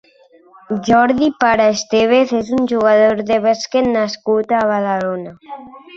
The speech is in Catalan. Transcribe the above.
Jordi Parra Estévez és un jugador de bàsquet nascut a Badalona.